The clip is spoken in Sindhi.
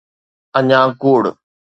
اڃا ڪوڙ.